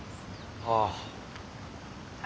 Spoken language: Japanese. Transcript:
ああ。